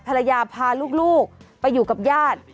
ภรรยาพาลูกไปอยู่กับญาติ